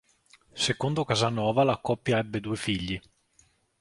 Secondo Casanova la coppia ebbe due figli.